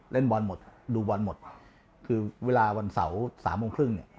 เล่นบอลหมดดูบอลหมดคือเวลาวันเสาร์สามโมงครึ่งเนี่ย